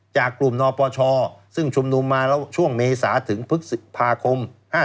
จากกลุ่มนปชซึ่งชุมนุมมาช่วงเมษาถึงพภาคม๑๙๕๓